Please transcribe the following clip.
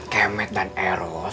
kek med dan eros